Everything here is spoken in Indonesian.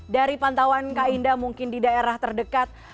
dari pantauan kak indah mungkin di daerah terdekat